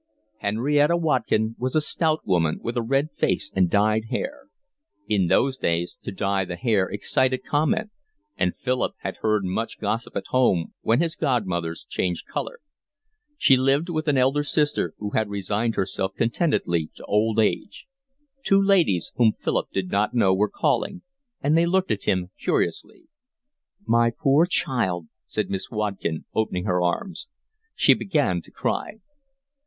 Henrietta Watkin was a stout woman, with a red face and dyed hair. In those days to dye the hair excited comment, and Philip had heard much gossip at home when his godmother's changed colour. She lived with an elder sister, who had resigned herself contentedly to old age. Two ladies, whom Philip did not know, were calling, and they looked at him curiously. "My poor child," said Miss Watkin, opening her arms. She began to cry.